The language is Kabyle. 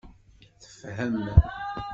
Tefhem.